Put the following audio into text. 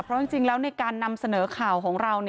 เพราะจริงแล้วในการนำเสนอข่าวของเรา